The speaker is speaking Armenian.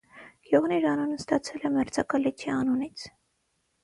Գյուղն իր անունն ստացել է մերձակա լճի անունից։